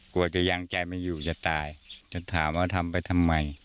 กลัวจะยังใจไม่อยู่จะตายจะถามว่าทำไปทำไม